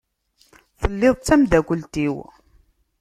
Telliḍ d tamdakelt-iw.